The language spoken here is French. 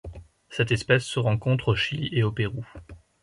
Cette espèce se rencontre au Chili et au Pérou.